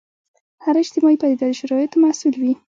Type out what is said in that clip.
هره اجتماعي پدیده د شرایطو محصول وي.